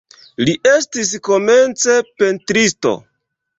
Li estis komence pentristo.